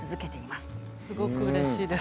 すごくうれしいです。